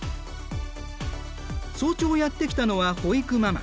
早朝やって来たのは保育ママ。